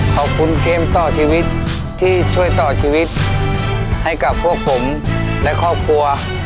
ขอบคุณเกมต่อชีวิตที่ช่วยต่อชีวิตให้กับพวกผมและครอบครัว